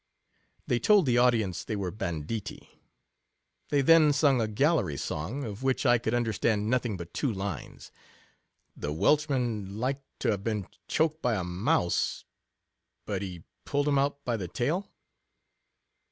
They told the audience they were banditti. They then sung a gallery song, of which I could under stand nothing but two lines : (t The Welshman lik'd to have been chokM by a mouse, But he puird him out by the tail."